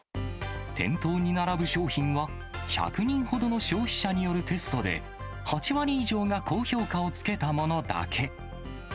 店頭に並ぶ商品は、１００人ほどの消費者によるテストで、８割以上が高評価をつけたものだけ。